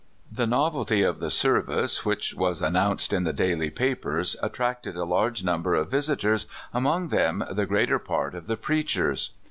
The novelty of the service, which was announced in the daily papers, attracted a large number of visitors, among them the greater part of the preachers.